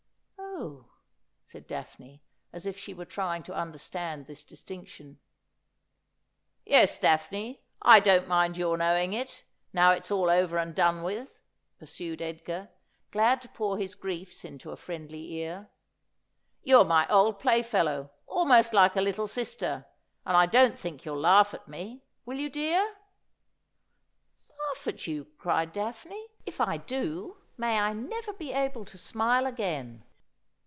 ' Oh,' said Daphne, as if she were trying to understand this distinction. ' Yes, Daphne. I don't mind your knowing it — now _it|s all over and done with,' pursued Edgar, glad to pour his griefs into a friendly ear. ' You're my old playfellow — almost like a little sister — and I don't think you'll laugh at me, will you, dear ?'' Laugh at you !' cried Daphne. ' If I do may I never be able to smile again.'